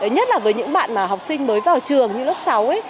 nhất là với những bạn mà học sinh mới vào trường như lớp sáu ấy